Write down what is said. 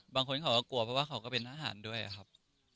บางคนเขาก็กลัวเพราะว่าเขาก็เป็นทหารด้วยครับ